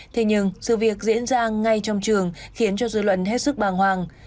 thế nhưng sự việc diễn ra ngay trong trường khiến cho dư luận hết sức bàng hoàng